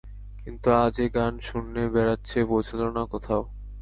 কিন্তু আজ এ গান শূন্যে বেড়াচ্ছে, পৌঁছোল না কোথাও।